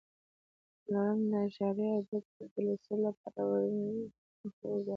څلورم: د اعشاري عدد د لوستلو لپاره ورنیي برخو ته وګورئ.